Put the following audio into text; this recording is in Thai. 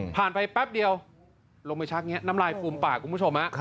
ผ่านไปแป๊บเดียวลงไปชักแบบนี้น้ำลายฟุมปลากลุ่มผู้ชม